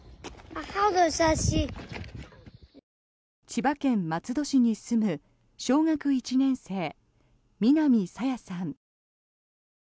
千葉県松戸市に住む小学１年生南朝芽さん。